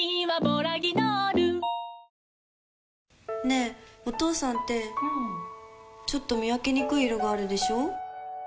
ねぇ、お父さんってうんちょっと見分けにくい色があるでしょ。